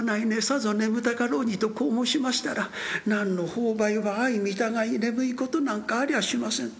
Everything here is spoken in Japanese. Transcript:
さぞ眠たかろうに』とこう申しましたら『なんの朋輩は相身互い眠いことなんかありゃしません』。